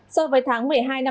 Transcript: so với tháng một mươi hai năm